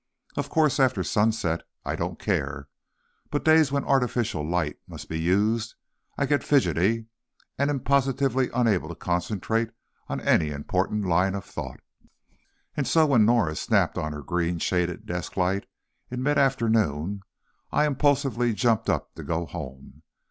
Of course, after sunset, I don't care, but days when artificial light must be used, I get fidgety and am positively unable to concentrate on any important line of thought. And so, when Norah snapped on her green shaded desk light in mid afternoon, I impulsively jumped up to go home.